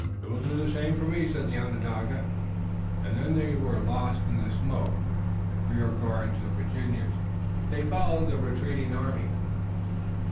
"You will do the same for me," said the Onondaga, and then they too were lost in the smoke, as with the rear guard of Virginians they followed the retreating army.